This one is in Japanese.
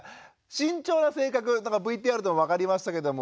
慎重な性格ＶＴＲでも分かりましたけども。